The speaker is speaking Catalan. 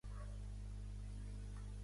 Hi ha algun lampista al carrer del Duero?